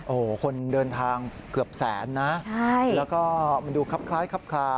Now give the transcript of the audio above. โอ้โหคนเดินทางเกือบแสนนะแล้วก็มันดูครับคล้ายครับคลา